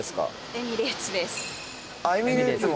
エミレーツです